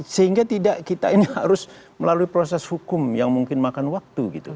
sehingga tidak kita ini harus melalui proses hukum yang mungkin makan waktu gitu